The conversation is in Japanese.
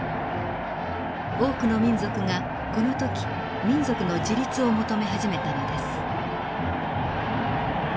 多くの民族がこの時民族の自立を求め始めたのです。